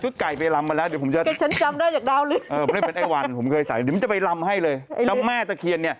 ดาวลื่นฉันจำได้